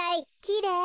きれい。